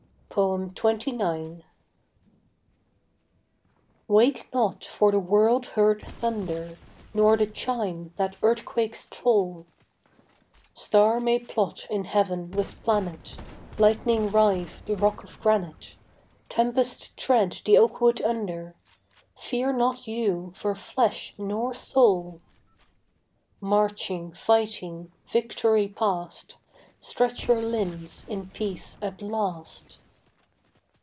XXIX. Wake not for the world heard thunder Nor the chime that earthquakes toll. Star may plot in heaven with planet, Lightning rive the rock of granite, Tempest tread the oakwood under: Fear not you for flesh nor soul. Marching, fighting, victory past, Stretch your limbs in peace at last.